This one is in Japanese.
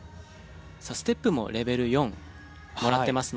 ステップもレベル４もらってますので。